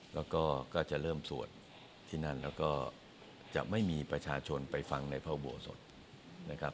แล้วก็ก็จะเริ่มสวดที่นั่นแล้วก็จะไม่มีประชาชนไปฟังในพระอุโบสถนะครับ